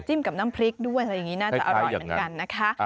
กับน้ำพริกด้วยอะไรอย่างนี้น่าจะอร่อยเหมือนกันนะคะ